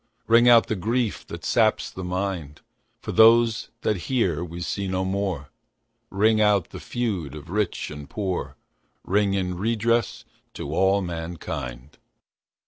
Ring out the grief that saps the mind, For those that here we see no more, Ring out the feud of rich and poor, Ring in redress to all mankind.